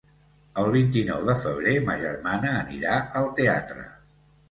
El vint-i-nou de febrer ma germana anirà al teatre.